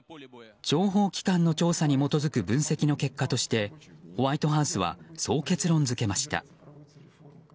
情報機関の調査に基づく分析の結果としてホワイトハウスはそう結論付けました。